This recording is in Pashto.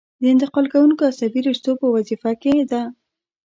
د انتقال کوونکو عصبي رشتو په وظیفه کې ده.